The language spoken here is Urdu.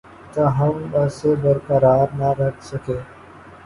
تاہم وہ اسے برقرار نہ رکھ سکے